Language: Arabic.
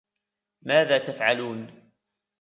ماذا تفعلون؟